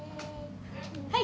はい。